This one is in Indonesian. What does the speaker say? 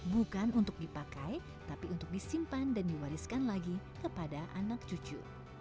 bukan untuk dipakai tapi untuk disimpan dan diwariskan lagi kepada anak cucu